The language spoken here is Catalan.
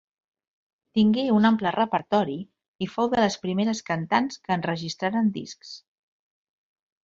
Tingué un ample repertori i fou de les primeres cantants que enregistraren discs.